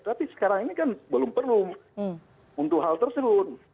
tapi sekarang ini kan belum perlu untuk hal tersebut